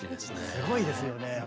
すごいですよね。